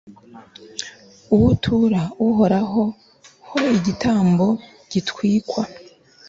awutura uhoraho ho igitambo gitwikwa